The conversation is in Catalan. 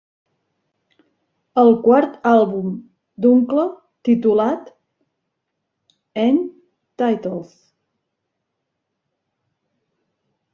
El quart àlbum d'Unkle titulat End Titles...